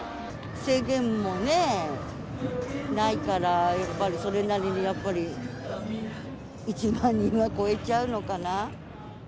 制限もね、ないから、やっぱりそれなりにやっぱり１万人は超えちゃうのかな。